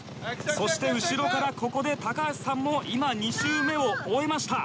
そして後ろからここで高橋さんも今２周目を終えました。